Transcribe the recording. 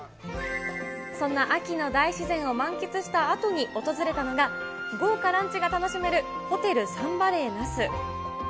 そんな秋の大自然を満喫したあとに訪れたのが、豪華ランチが楽しめるホテルサンバレー那須。